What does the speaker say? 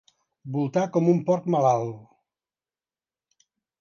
Voltar com un porc malalt.